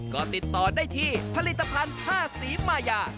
ก็ติดต่อได้ที่ผลิตภัณฑ์ผ้าสีมายา